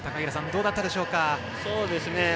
どうだったでしょうか？